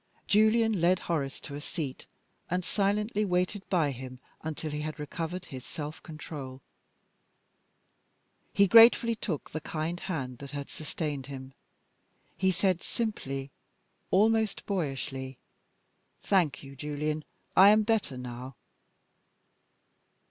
Julian led Horace to a seat, and silently waited by him until he had recovered his self control. He gratefully took the kind hand that had sustained him: he said, simply, almost boyishly, "Thank you, Julian. I am better now."